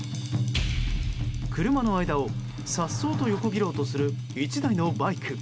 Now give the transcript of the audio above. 車の間を颯爽と横切ろうとする１台のバイク。